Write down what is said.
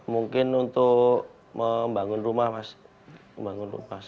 mungkin untuk membangun rumah mas